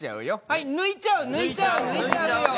はい、抜いちゃう、抜いちゃう、抜いちゃうよ